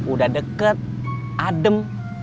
udah deket adem